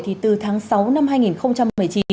thì từ tháng sáu năm hai nghìn một mươi chín